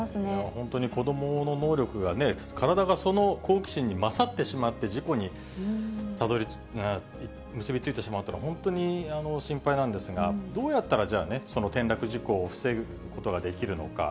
本当に子どもの能力がね、体がその好奇心に勝ってしまって、事故に結び付いてしまうっていうのは、本当に心配なんですが、どうやったら、じゃあね、その転落事故を防ぐことができるのか。